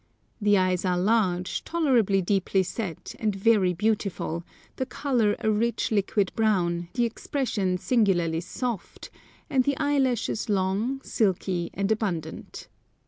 The eyes are large, tolerably deeply set, and very beautiful, the colour a rich liquid brown, the expression singularly soft, and the eyelashes long, silky, and abundant.